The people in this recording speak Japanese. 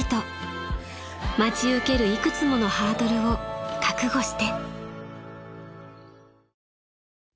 ［待ち受けるいくつものハードルを覚悟して］